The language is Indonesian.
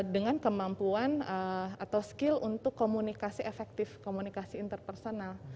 dengan kemampuan atau skill untuk komunikasi efektif komunikasi interpersonal